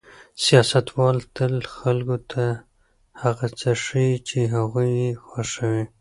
سیاستوال تل خلکو ته هغه څه ښيي چې هغوی یې خوښوي.